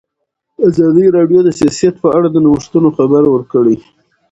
ازادي راډیو د سیاست په اړه د نوښتونو خبر ورکړی.